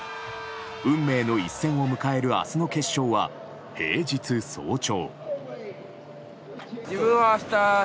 運命の一戦を迎える明日の決勝は平日早朝。